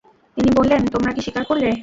তিনি বললেন, তোমরা কি স্বীকার করলে?